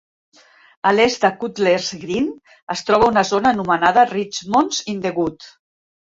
Al est de Cutler's Green es troba una zona anomenada Richmond's in the Wood.